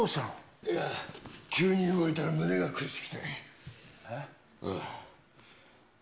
いや、急に動いたら胸が苦しくて。